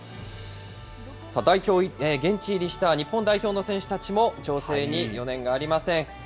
現地入りした日本代表の選手たちも調整に余念がありません。